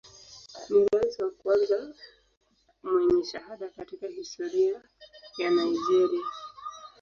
Ni rais wa kwanza mwenye shahada katika historia ya Nigeria.